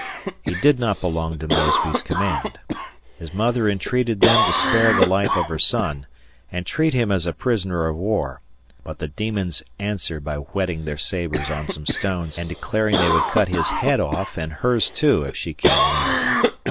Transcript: He did not belong to Mosby's command. His mother entreated them to spare the life of her son and treat him as a prisoner of war, but the demons answered by whetting their sabres on some stones and declaring they would cut his head off and hers too, if she came near.